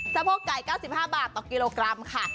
สะโพกไก่๙๕บาทต่อกิโลกรัมค่ะ